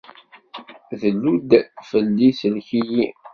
Dlu-d fell-i, sellek-iyi.